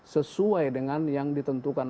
sesuai dengan yang ditentukan